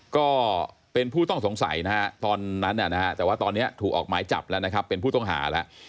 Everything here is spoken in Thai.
ก็เป็นผู้ต้องสงสัยนะฮะตอนนั้นแต่ว่าตอนนี้ถูกออกหมายจับแล้วนะครับเป็นผู้ต้องหาแล้ว